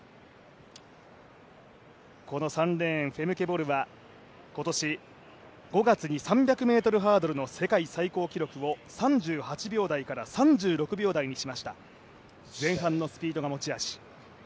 この３レーン、フェムケ・ボルは今年、５月に３００ｍハードルの世界最高記録を３８秒台から３６秒台にしました前半のスピードが持ち味。